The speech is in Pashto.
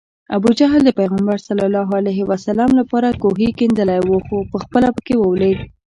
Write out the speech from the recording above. ابوجهل د پیغمبر ص لپاره کوهی کیندلی و خو پخپله پکې ولوېد